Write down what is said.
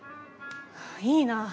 いいな。